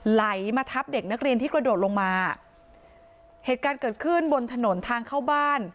ไหลมาทับเด็กนักเรียนที่กระโดดลงมาเหตุการณ์เกิดขึ้นบนถนนทางเข้าบ้าน